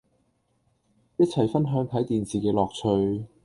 一齊分享睇電視嘅樂趣